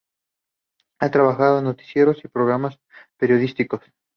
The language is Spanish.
Ha trabajado en noticieros y programas periodísticos.